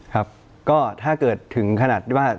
ครับก็ถ้าเกิดถึงขนาดที่ว่า